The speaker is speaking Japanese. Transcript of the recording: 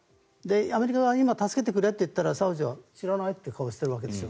アメリカが今、助けてくれと言ったらサウジは知らないという顔をしているわけです。